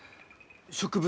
植物